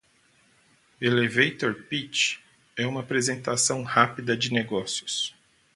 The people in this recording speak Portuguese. Elevator Pitch é uma apresentação rápida de negócios.